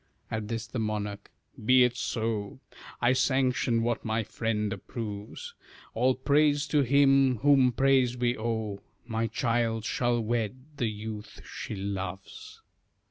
At this, the monarch "Be it so! I sanction what my friend approves; All praise to Him, whom praise we owe; My child shall wed the youth she loves."